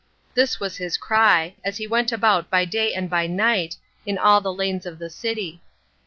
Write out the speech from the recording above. This was his cry, as he went about by day and by night, in all the lanes of the city.